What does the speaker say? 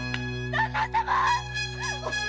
旦那様！